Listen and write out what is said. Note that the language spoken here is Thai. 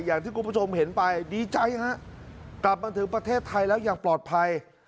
อย่างที่คุณผู้ชมเห็นไปดีใจฮะกลับมาถึงประเทศไทยแล้วอย่างปลอดภัย